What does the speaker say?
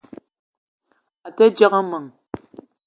A te djegue meng.